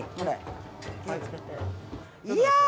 いや！